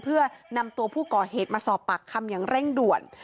เพื่อนำตัวผู้ก่อเหตุมาสอบปากคำอย่างเร่งด่วน